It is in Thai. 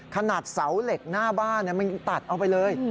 ขนาดเสาเหล็กหน้าบ้านมันยังตัดเอาไปเลย